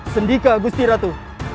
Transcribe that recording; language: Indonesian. sendika agusti ratu